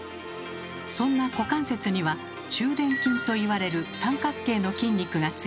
そんな股関節には中臀筋と言われる三角形の筋肉がついています。